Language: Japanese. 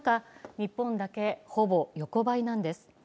日本だけ、ほぼ横ばいなんです。